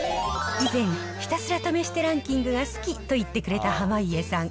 以前、ひたすら試してランキングが好きと言ってくれた濱家さん。